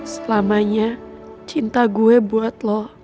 selamanya cinta gue buat lo